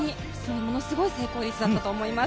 ものすごい成功率だったと思います。